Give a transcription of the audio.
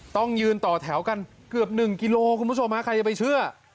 ต้องยืนต่อแถวกันเกือบ๑กิโลคุณผู้ชมฮะใครจะไปเชื่อ